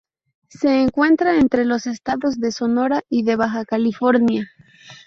Se encuentra entre los estados de Sonora y de Baja California.